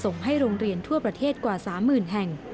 ส่งให้โรงเรียนทั่วประเทศกว่า๓๐๐๐แห่ง